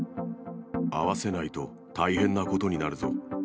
会わせないと大変なことにな